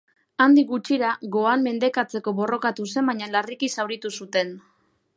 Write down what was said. Handik gutxira Gohan mendekatzeko borrokatu zen baina larriki zauritu zuten.